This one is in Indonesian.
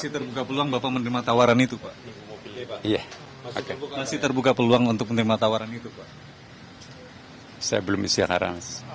tapi kalau ditawarkan presidinya apa ya